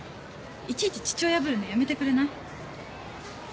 いちいち父親ぶるのやめてくれない？